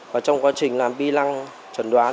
và trong quá trình làm bi lăng trần đoán